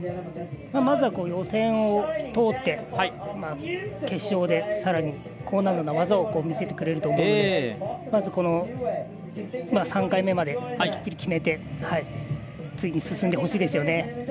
まずは、予選を通って決勝でさらに高難度な技を見せてくれると思うのでまず、３回目まできっちり決めて次に進んでほしいですよね。